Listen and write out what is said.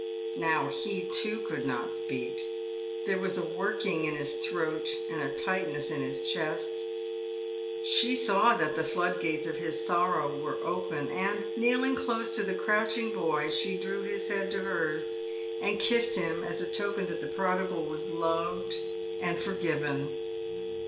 Now he too could not speak. There was a working in his throat and a tightness in his chest. She saw that the flood gates of his sorrow were open, and, kneeling close to the crouching boy, she drew his head to hers and kissed him, as a token that the prodigal was loved and forgiven.